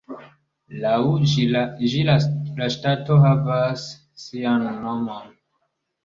Laŭ ĝi la ŝtato havas sian nomon.